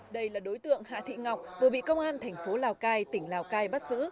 đây là đối tượng hạ thịnh ngọc vừa bị cơ quan thành phố lào cai tỉnh lào cai bắt giữ